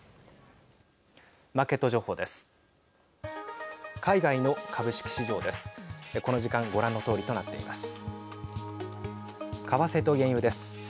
マーケット情報です。